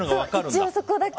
一応、そこだけ。